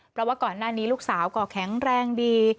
เพราะว่าก่อนหน้านี้ลูกสาวก็แข็งแรงดี